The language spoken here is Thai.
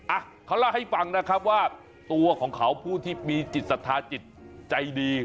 อ่ะเขาเล่าให้ฟังนะครับว่าตัวของเขาผู้ที่มีจิตศรัทธาจิตใจดี